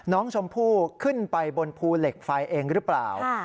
น้องชมพู่ขึ้นไปบนภูเหล็กไฟเองหรือเปล่า